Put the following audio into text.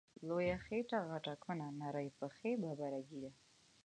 لویه خیټه غټه کونه، نرۍ پښی ببره ږیره